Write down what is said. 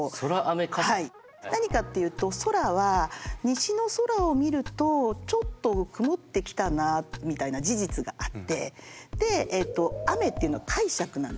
何かっていうと「ソラ」は西の空を見るとちょっと曇ってきたなみたいな事実があってで「アメ」っていうのは解釈なんですね。